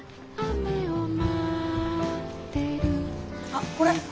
あっこれ。